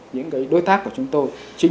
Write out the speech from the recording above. những cái đối tác của chúng tôi chính